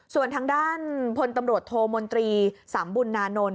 ส่วนทางด้านพลตำรวจโทมนตรีสำบุญนานนท